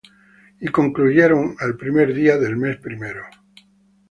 Y concluyeron al primer día del mes primero.